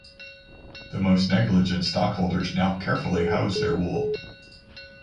The most negligent stock-holders now carefully house their wool.